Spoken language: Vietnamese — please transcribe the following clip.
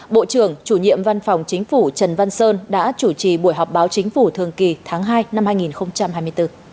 bộ trưởng chủ nhiệm văn phòng chính phủ trần văn sơn đã chủ trì buổi họp báo chính phủ thường kỳ tháng hai năm hai nghìn hai mươi bốn